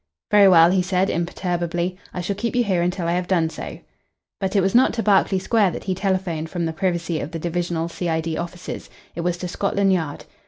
"Very well," he said imperturbably. "I shall keep you here until I have done so." But it was not to Berkeley Square that he telephoned from the privacy of the divisional C.I.D. offices. It was to Scotland Yard.